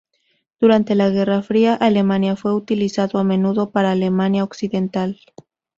Durante la Guerra Fría, Alemania fue utilizado a menudo para Alemania Occidental.